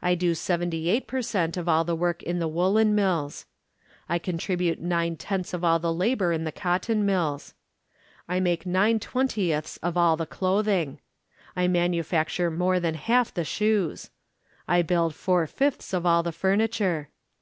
I do seventy eight per cent. of all the work in the woollen mills. I contribute nine tenths of all the labour in the cotton mills. I make nine twentieths of all the clothing. I manufacture more than half the shoes. I build four fifths of all the furniture.